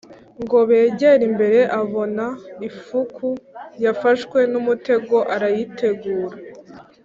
Ngo bagere imbere abona ifuku yafashwe n umutego Arayitegura